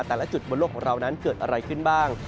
แต่ละจุดบนโลกของเรานั้นเกิดอะไรขึ้นบ้าง